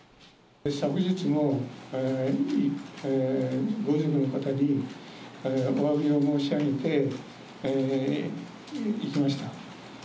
昨日もご遺族の方におわびを申し上げていきました。